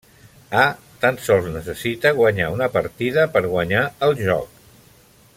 A tan sols necessita guanyar una partida per guanyar el joc.